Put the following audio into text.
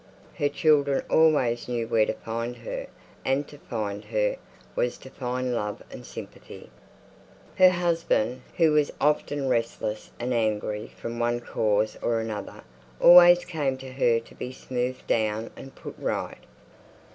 Her children always knew where to find her; and to find her, was to find love and sympathy. Her husband, who was often restless and angry from one cause or another, always came to her to be smoothed down and put right.